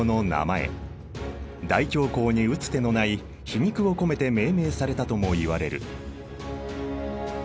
大恐慌に打つ手のない皮肉を込めて命名されたともいわれる。